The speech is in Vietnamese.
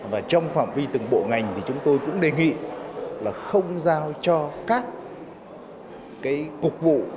và trong phạm vi từng bộ ngành thì chúng tôi cũng đề nghị là không giao cho các cái cục vụ